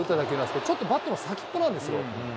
なんですけど、ちょっとバットの先っぽなんですよ。